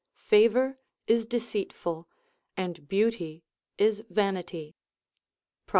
Favour is deceitful, and beauty is vanity, Prov.